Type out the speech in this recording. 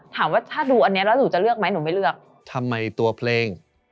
ถามว่าถ้าดูอันนี้แล้วหนูจะเลือกไหมหนูไม่เลือกทำไมตัวเพลง